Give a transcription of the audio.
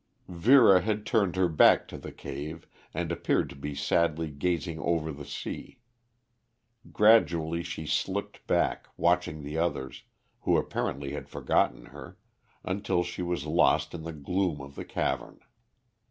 Vera had turned her back to the cave, and appeared to be sadly gazing over the sea. Gradually she slipped back, watching the others, who apparently had forgotten her, until she was lost in the gloom of the cavern.